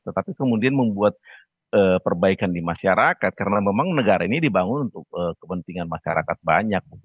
tetapi kemudian membuat perbaikan di masyarakat karena memang negara ini dibangun untuk kepentingan masyarakat banyak